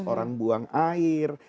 orang buang air